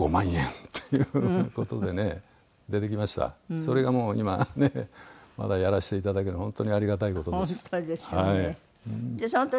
それがもう今ねまだやらせていただけるのは本当にありがたい事です。